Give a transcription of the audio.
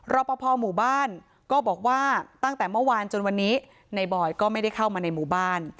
รอปภหมู่บ้านก็บอกว่าตั้งแต่เมื่อวานจนวันนี้ในบอยก็ไม่ได้เข้ามาในหมู่บ้าน